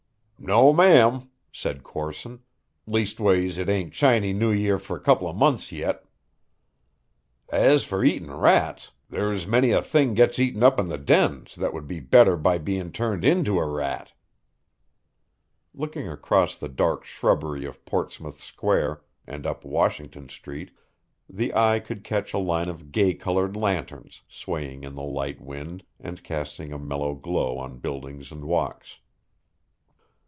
"No, ma'am," said Corson, "leastways it ain't Chaney New Year for a couple of months yet. As for eatin' rats, there's many a thing gets eaten up in the dens that would be better by bein' turned into a rat." Looking across the dark shrubbery of Portsmouth Square and up Washington Street, the eye could catch a line of gay colored lanterns, swaying in the light wind, and casting a mellow glow on buildings and walks.